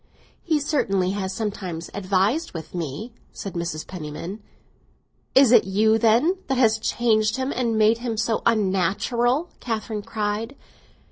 "He certainly has sometimes advised with me," said Mrs. Penniman. "Is it you, then, that have changed him and made him so unnatural?" Catherine cried.